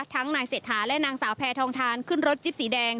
นายเศรษฐาและนางสาวแพทองทานขึ้นรถจิ๊บสีแดง